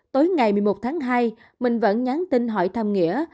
tối ngày một mươi một tháng hai mình vẫn nhắn tin hỏi thăm nghĩa